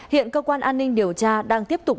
hiện cơ quan an ninh điều tra đang tiếp tục